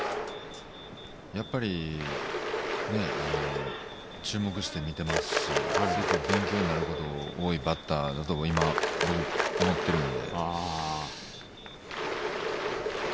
やっぱり注目して見ていますし、すごく勉強になることが多いバッターだと思っているんで。